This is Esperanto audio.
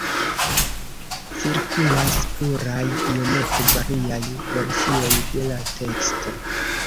Cirkulas pluraj iomete variaj versioj de la teksto.